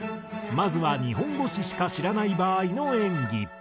まずは日本語詞しか知らない場合の演技。